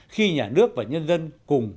khi nhà nước và nhân dân cùng